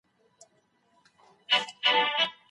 کيفي شاخصونه د کمي شاخصونو په پرتله اصلي انځور وړاندي کوي.